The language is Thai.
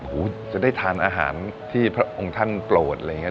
โอ้โหจะได้ทานอาหารที่พระองค์ท่านโปรดอะไรอย่างนี้